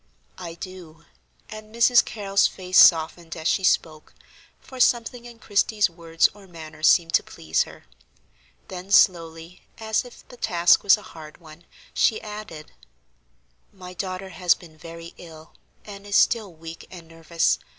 "I do," and Mrs. Carrol's face softened as she spoke, for something in Christie's words or manner seemed to please her. Then slowly, as if the task was a hard one, she added: "My daughter has been very ill and is still weak and nervous.